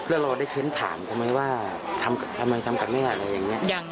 แล้วเราได้เท้นถามทำไมทำกับแม่อะไรอย่างนี้